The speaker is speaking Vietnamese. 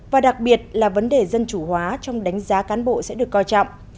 và đặc biệt là vấn đề dân chủ hóa trong đánh giá cán bộ sẽ được coi trọng